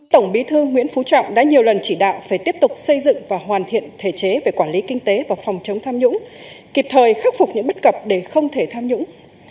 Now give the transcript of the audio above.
tổng bí thư nguyễn phú trọng đã nhiều lần chỉ đạo phải tiếp tục xây dựng và hoàn thiện thể chế về quản lý kinh tế và phòng chống tham nhũng kịp thời khắc phục những bất cập để không thể tham nhũng